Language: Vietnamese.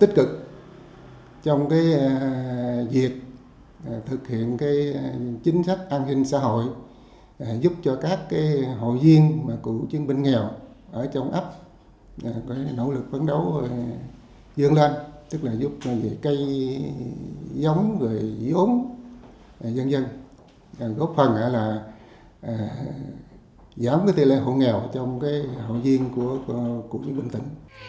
tích cực trong việc thực hiện chính sách an ninh xã hội giúp cho các hội viên cựu chiến binh nghèo ở trong ấp nỗ lực phấn đấu dương lên giúp cây giống dốn dân dân góp phần giảm tỷ lệ hộ nghèo trong hội viên cựu chiến binh tỉnh